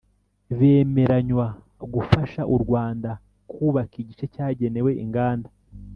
bemeranywa gufasha u Rwanda kubaka igice cyagenewe inganda